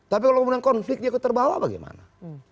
tapi kalau konflik dia ikut terbawa bagaimana